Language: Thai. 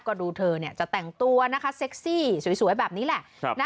ก็ดูเธอจะแต่งตัวนะคะเซ็กซี่สวยแบบนี้แหละ